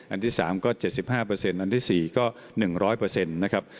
อันที่๓ก็๗๕อันที่๔ก็๑๐๐นะครับ